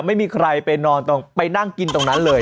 ไม่มีใครไปนอนตรงไปนั่งกินตรงนั้นเลย